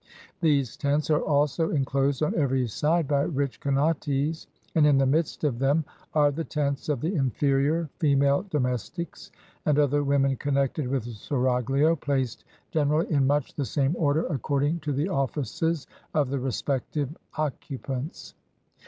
These tents are also in closed on every side by rich kanates; and in the midst of them are the tents of the inferior female domestics and other women connected with the seraglio, placed gen erally in much the same order, according to the offices of the respective occupants.